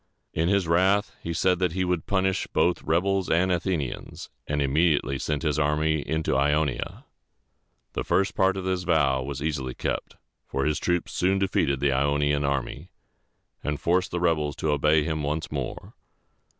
In his wrath, he said that he would punish both rebels and Athenians, and immediately sent his army into Ionia. The first part of his vow was easily kept, for his troops soon defeated the Ionian army, and forced the rebels to obey him once more.